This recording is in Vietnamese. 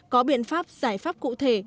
có biện pháp giải pháp cụ thể